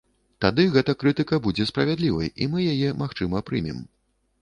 Тады гэта крытыка будзе справядлівай і мы яе, магчыма, прымем.